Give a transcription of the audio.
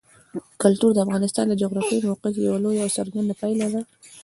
کلتور د افغانستان د جغرافیایي موقیعت یوه لویه او څرګنده پایله ده.